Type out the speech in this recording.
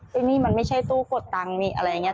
ซึ่งนี่มันไม่ใช่ตู้กดตังค์นี่อะไรอย่างนี้